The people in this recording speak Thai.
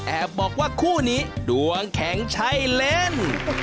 แอบบอกว่าคู่นี้ดวงแข่งชัยเล่น